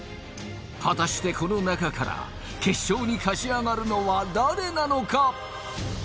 果たしてこの中から決勝に勝ち上がるのは誰なのか？